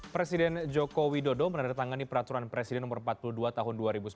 presiden joko widodo menandatangani peraturan presiden no empat puluh dua tahun dua ribu sembilan belas